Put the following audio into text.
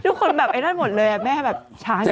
ทุกคนแบบไอ้นั่นหมดเลยแม่แบบช้างเยอะ